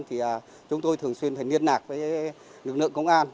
thì chúng tôi thường xuyên phải liên lạc với lực lượng công an